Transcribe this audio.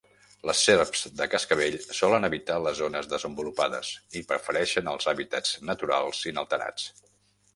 Les serps de cascavell solen evitar les zones desenvolupades i prefereixen els hàbitats naturals inalterats.